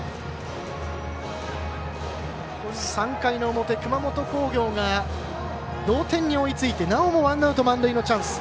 ３回の表、熊本工業が同点に追いついてなおもワンアウト満塁のチャンス。